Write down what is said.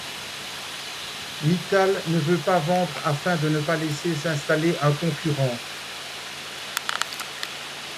Mittal ne veut pas vendre afin de pas laisser s'installer un concurrent.